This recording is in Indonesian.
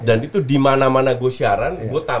dan itu dimana mana gue siaran